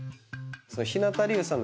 日向龍さん